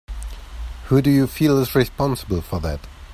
Who do you feel is responsible for that?